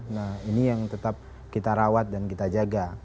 nah ini yang tetap kita rawat dan kita jaga